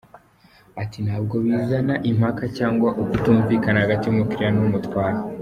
Ati “Ntabwo bizana impaka cyangwa ukutumvikana hagati y’umukiriya n’umutwaye.